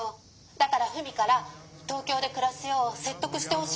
だからフミから東京でくらすようせっとくしてほしいの。